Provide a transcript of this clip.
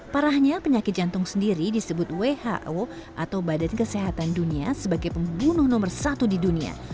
parahnya penyakit jantung sendiri disebut who atau badan kesehatan dunia sebagai pembunuh nomor satu di dunia